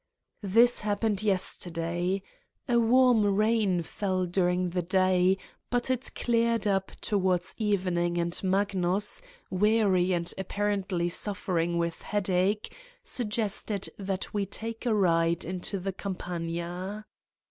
This happened yesterday. A warm rain fell during the day but it cleared up towards evening and Magnus, weary and apparently suffering with headache, suggested that we take a ride into the Campagna.